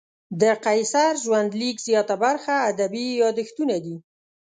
د قیصر ژوندلیک زیاته برخه ادبي یادښتونه دي.